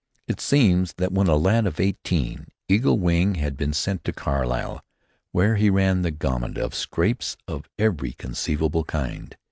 It seems that when a lad of eighteen, "Eagle Wing" had been sent to Carlisle, where he ran the gamut of scrapes of every conceivable kind.